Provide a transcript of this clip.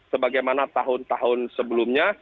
sebagaimana tahun tahun sebelumnya